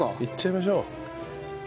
いっちゃいましょう。